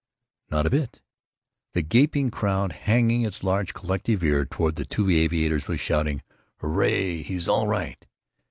"Not a bit." The gaping crowd, hanging its large collective ear toward the two aviators, was shouting: "Hoorray! He's all right!"